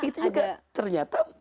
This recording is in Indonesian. itu juga ternyata